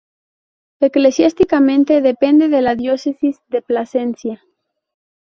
Eclesiásticamente depende de la diócesis de Plasencia.